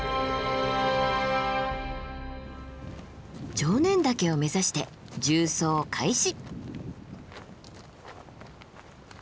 常念岳を目指して縦走開始。